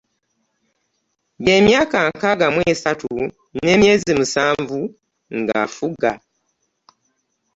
Gyemyaka nkaaga mu esatu n'emyezi musanvu nga afuga.